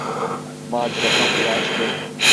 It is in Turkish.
Macide kapıyı açtı.